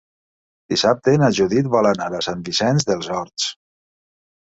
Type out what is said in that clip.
Dissabte na Judit vol anar a Sant Vicenç dels Horts.